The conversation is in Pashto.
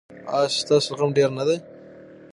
ایا ستاسو زغم ډیر نه دی؟